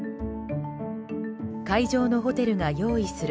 会場のホテルが用意する